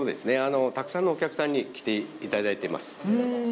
たくさんのお客さんに来ていただいています。